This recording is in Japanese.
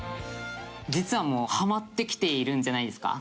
実はもうハマってきているんじゃないですか？